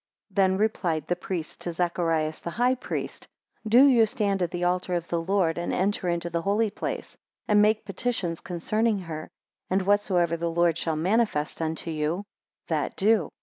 4 Then replied the priests to Zacharias the high priest, Do you stand at the altar of the Lord, and enter into the holy place, and make petitions concerning her, and whatsoever the Lord shall manifest unto you, that do.